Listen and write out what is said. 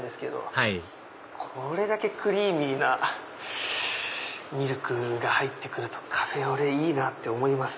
はいこれだけクリーミーなミルクが入って来るとカフェオレいいなって思います。